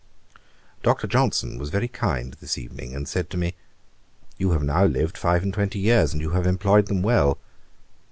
Dr. Johnson was very kind this evening, and said to me, 'You have now lived five and twenty years, and you have employed them well.'